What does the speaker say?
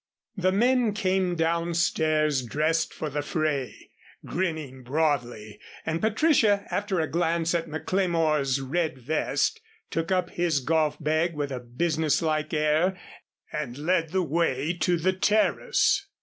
The men came down stairs dressed for the fray, grinning broadly, and Patricia, after a glance at McLemore's red vest, took up his golf bag with a business like air and led the way to the terrace.